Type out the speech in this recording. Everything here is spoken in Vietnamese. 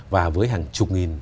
và với hàng chục nghìn